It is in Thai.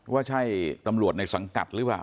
ว่าใช่ตำรวจในสังกัดหรือเปล่า